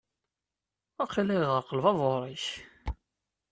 Waqila yeɣreq lbabur-ik.